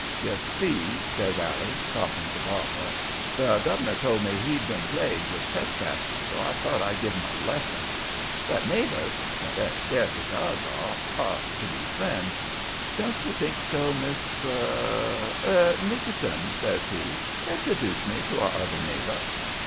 "'You see,' says Allie, talking to Barbara; 'the gov'nor told me he'd been plagued with trespassers, so I thought I'd give 'em a lesson. But neighbors, when they're scarce as ours are, ought to be friends. Don't you think so, Miss ? Er Nickerson,' says he, 'introduce me to our other neighbor.'